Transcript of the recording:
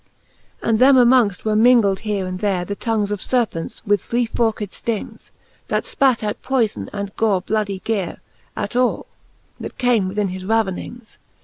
XXVIII. And them amongft were mingled here and there The tongues of ferpents with three forked ftings. That Ipat out poyfon and gore bloudy gere At all, that came within his ravenings.